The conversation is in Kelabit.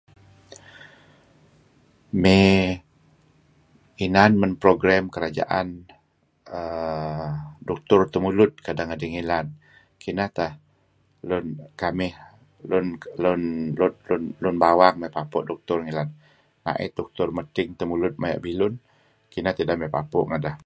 um May inan man programe kerja'an[aah] dutor tamulud kadah ngadih ngilad, kinah tah lun kamih, lun, lun, lun, lun bawang pa'puh dutor ngilad